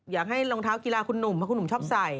อยากให้รองเท้ากีฬากนุ่มเพราะมุมชอบใส่